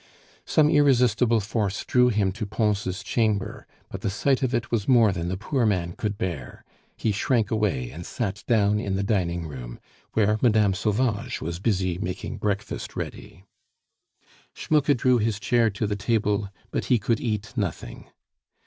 Some irresistible force drew him to Pons' chamber, but the sight of it was more than the poor man could bear; he shrank away and sat down in the dining room, where Mme. Sauvage was busy making breakfast ready. Schmucke drew his chair to the table, but he could eat nothing.